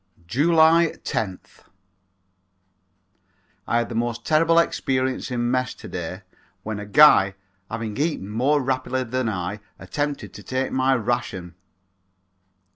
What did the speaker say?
July 10th. I had the most terrible experience in mess to day when a guy having eaten more rapidly than I attempted to take my ration.